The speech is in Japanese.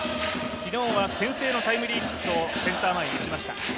昨日は先制のタイムリーヒットをセンター前に打ちました。